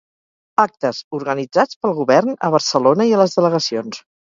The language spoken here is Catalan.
Actes organitzats pel Govern a Barcelona i a les delegacions.